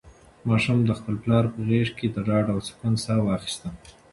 ماشوم د خپل پلار په غېږ کې د ډاډ او سکون ساه واخیسته.